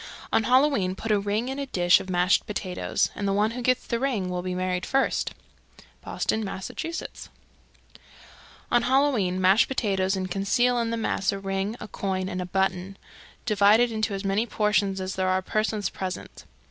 _ 315. On Halloween put a ring in a dish of mashed potatoes, and the one who gets the ring will be married first. Boston, Mass. 316. On Halloween mash potatoes and conceal in the mass a ring, a coin, and a button. Divide it into as many portions as there are persons present.